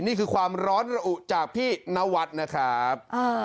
นี่คือความร้อนระอุจากพี่นวัดนะครับ